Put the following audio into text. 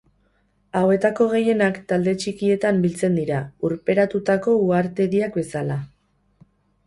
Hauetako gehienak, talde txikietan biltzen dira, urperatutako uhartediak bezala.